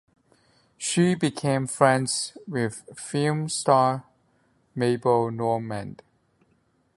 She became friends with film star Mabel Normand.